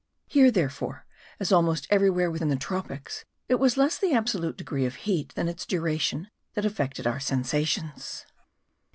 Here, therefore, as almost everywhere within the tropics, it was less the absolute degree of heat than its duration that affected our sensations.